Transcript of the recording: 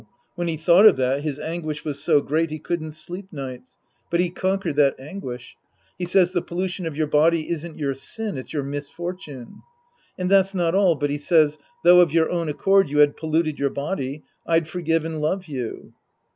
When he thought of that, his anguish was so great he couldn't sleep nights. But he con Sc. I The Priest and His Disciples 165 quered that anguish. He says, " The pollution of your body isn't your sin, it's your misfortune." And that's not all, but he says, " Though of your own accord you had polluted your body, I'd forgive and love you."